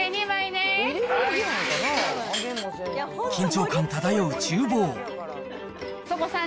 はい、緊張感漂うちゅう房。